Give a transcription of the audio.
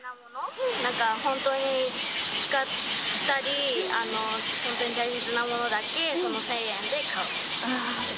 なんか、本当に使ったり、本当に大切なものだけ、その１０００円で買う。